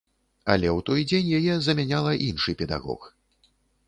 Але ў той дзень яе замяняла іншы педагог.